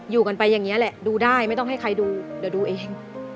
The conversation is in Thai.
อยู่กันไปอย่างนี้แหละดูได้ไม่ต้องให้ใครดูเดี๋ยวดูเอง